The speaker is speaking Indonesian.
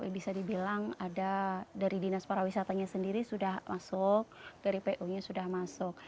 bisa dibilang ada dari dinas parawisatanya sendiri sudah masuk dari pu nya sudah masuk